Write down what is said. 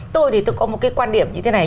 tôi thì tôi có một cái quan điểm như thế này